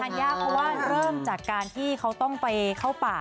ยากเพราะว่าเริ่มจากการที่เขาต้องไปเข้าป่า